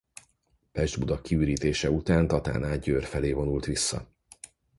Pest-Buda kiürítése után Tatán át Győr felé vonult vissza.